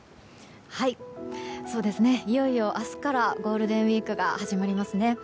いよいよ明日からゴールデンウィークが始まりますね。